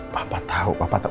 papa tahu papa tahu